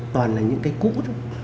toàn là những cái cũ thôi